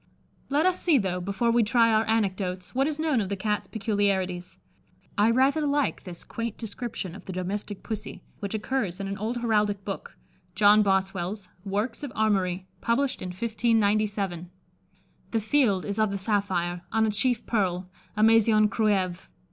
_ Let us see though, before we try our anecdotes, what is known of the Cat's peculiarities. I rather like this quaint description of the domestic Pussy, which occurs in an old heraldic book, John Bossewell's "Workes of Armorie," published in 1597: "The field is of the Saphire, on a chief Pearle, a Masion Cruieves.